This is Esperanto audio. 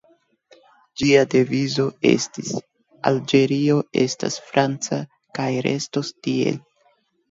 Ĝia devizo estis "Alĝerio estas franca kaj restos tiel".